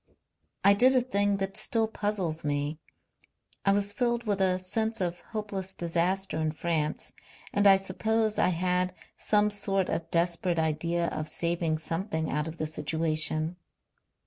I did a thing that still puzzles me. I was filled with a sense of hopeless disaster in France and I suppose I had some sort of desperate idea of saving something out of the situation....